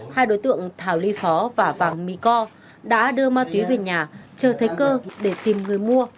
hai đối tượng thảo ly khó và vàng mi co đã đưa ma túy về nhà chờ thấy cơ để tìm người mua